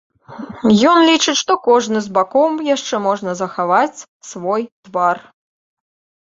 Ён лічыць, што кожны з бакоў яшчэ можа захаваць свой твар.